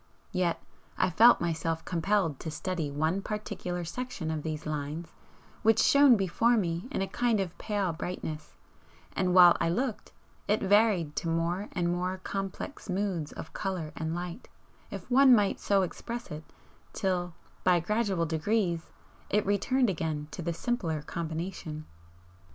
Yet I felt myself compelled to study one particular section of these lines which shone before me in a kind of pale brightness, and while I looked it varied to more and more complex 'moods' of colour and light, if one might so express it, till, by gradual degrees, it returned again to the simpler combination.